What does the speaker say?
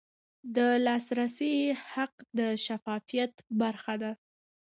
د لاسرسي حق د شفافیت برخه ده.